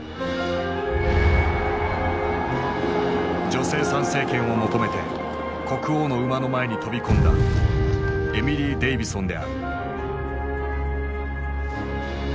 女性参政権を求めて国王の馬の前に飛び込んだエミリー・デイヴィソンである。